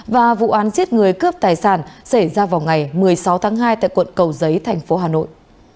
và vụ án giết người cướp tài sản xảy ra vào ngày một mươi sáu tháng hai tại quận cầu giấy thành phố hà nội